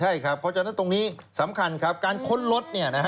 ใช่ครับเพราะฉะนั้นตรงนี้สำคัญครับการค้นรถ